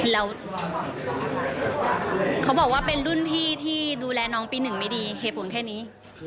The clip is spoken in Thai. แล้วเขาบอกว่าเป็นรุ่นพี่ที่ดูแลน้องปี๑ไม่ดีเหตุผลแค่นี้